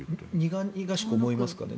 苦々しく思いますかね。